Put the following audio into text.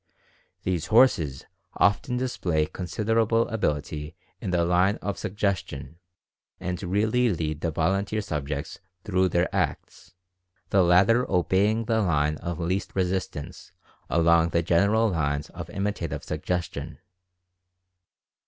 These "horses" often display considerable ability in the line of suggestion and really lead the volunteer subjects through their acts, the latter obeying the line of least resistance along the general lines of imitative suggestion.